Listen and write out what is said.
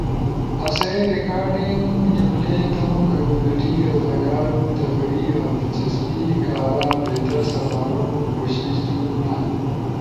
آسئی ریکارڈنگ جملئی تمو کمیونٹی رضا کارو تفریح اؤ دلچسپی کارا بہتر سپارونو کوشش تھونا۔